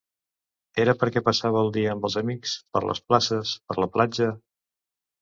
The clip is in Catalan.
Era perquè passava el dia amb els amics, per les places, per la platja?